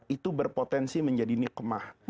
itu berpotensi menjadi nikmah